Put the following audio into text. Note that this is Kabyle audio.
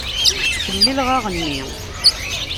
Ttkemmileɣ aɣenni.